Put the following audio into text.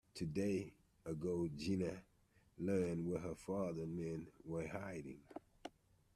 Two days ago Jeanne learned where her father's men were hiding.